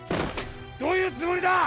どういうつもりだ！